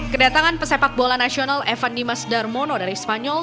kedatangan pesepak bola nasional evan dimas darmono dari spanyol